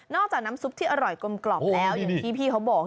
จากน้ำซุปที่อร่อยกลมแล้วอย่างที่พี่เขาบอก